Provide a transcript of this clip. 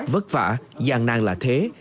vất vả gian nang là thế